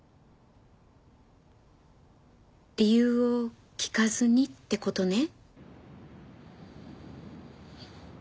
理由を聞かずにって事ね？